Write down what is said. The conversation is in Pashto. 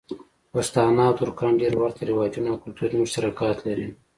پښتانه او ترکان ډېر ورته رواجونه او کلتوری مشترکات لری.